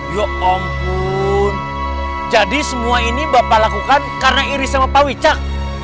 ya ampun jadi semua ini bapak lakukan karena iris sama pak wicak